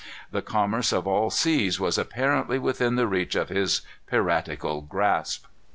The commerce of all seas was apparently within the reach of his piratical grasp.